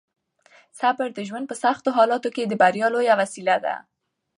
صبر د ژوند په سختو حالاتو کې د بریا لویه وسیله ده.